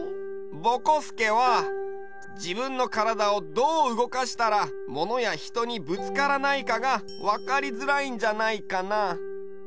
ぼこすけは自分の体をどう動かしたらものやひとにぶつからないかが分かりづらいんじゃないかな。